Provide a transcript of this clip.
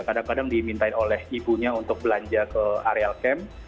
kadang kadang dimintain oleh ibunya untuk belanja ke area camp